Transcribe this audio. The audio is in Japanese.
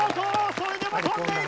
それでも飛んでいる！